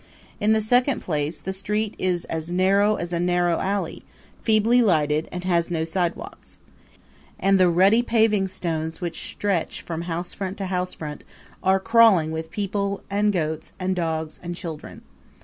In the second place the street is as narrow as a narrow alley, feebly lighted, and has no sidewalks. And the rutty paving stones which stretch from housefront to housefront are crawling with people and goats and dogs and children.